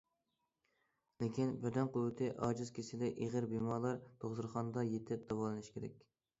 لېكىن، بەدەن قۇۋۋىتى ئاجىز، كېسىلى ئېغىر بىمارلار دوختۇرخانىدا يېتىپ داۋالىنىشى كېرەك.